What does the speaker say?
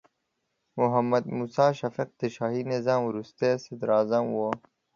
محمد موسی شفیق د شاهي نظام وروستې صدراعظم و.